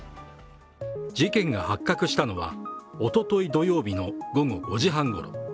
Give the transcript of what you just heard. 事件が発覚したのは、おととい土曜日の午後５時半ごろ。